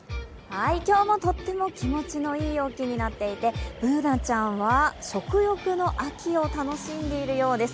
今日もとっても気持ちのいい陽気になっていてＢｏｏｎａちゃんは食欲の秋を楽しんでいるようです。